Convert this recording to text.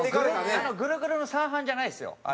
ぐるぐるの三半じゃないですよあれ。